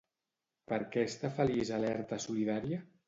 Per què està feliç Alerta Solidària?